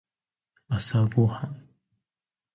朝ごはん